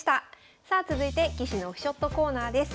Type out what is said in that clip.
さあ続いて棋士のオフショットコーナーです。